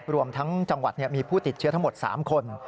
รวมทั้งจังหวัดมีผู้ติดเชื้อทั้งหมด๓คน